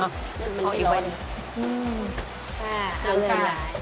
เอาอีกรถ